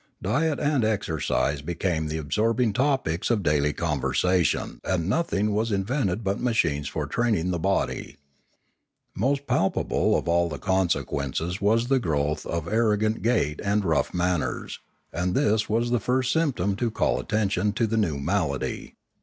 Diet and exercise became the ab sorbing topics of daily conversation and nothing was invented but machines for training the body. Most palpable of all the consequences was the growth of ar rogant gait and rough manners, and this was the first symptom to call attention to the new malady.